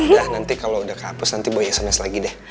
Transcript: nah nanti kalau udah kehapus nanti bawa sms lagi deh